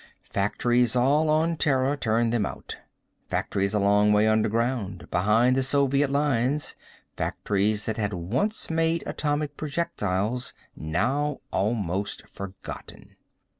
Factories, all on Terra, turned them out. Factories a long way under ground, behind the Soviet lines, factories that had once made atomic projectiles, now almost forgotten.